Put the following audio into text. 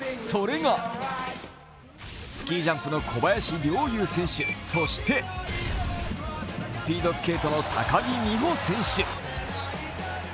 それがスキージャンプの小林陵侑選手、そしてスピードスケートの高木美帆選手。